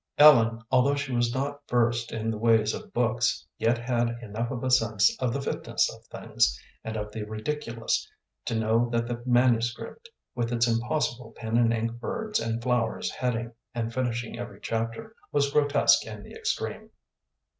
Ellen, although she was not versed in the ways of books, yet had enough of a sense of the fitness of things, and of the ridiculous, to know that the manuscript, with its impossible pen and ink birds and flowers heading and finishing every chapter, was grotesque in the extreme.